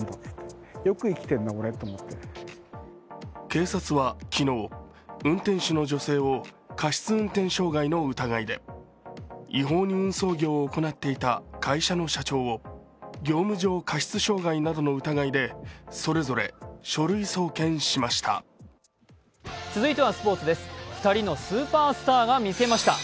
警察は昨日、運転手の女性を過失運転傷害の疑いで違法に運送業を行っていた会社の社長を業務上過失傷害などの疑いでそれぞれ書類送検しました。